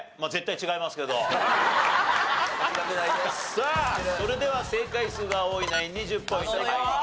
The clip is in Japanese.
さあそれでは正解数が多いナインに１０ポイント入ります。